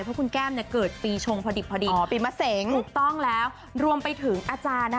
เพราะคุณแก้มเนี่ยเกิดปีชงพอดิบพอดีปีมะเสงถูกต้องแล้วรวมไปถึงอาจารย์นะคะ